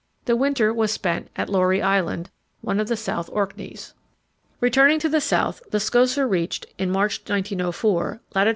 The winter was spent at Laurie Island, one of the South Orkneys. Returning to the south, the Scotia reached, in March, 1904, lat.